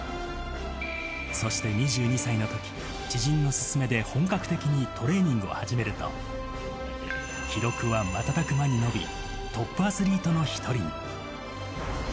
そして２２歳のとき、知人の勧めで本格的にトレーニングを始めると、記録は瞬く間に伸び、トップアスリートの一人に。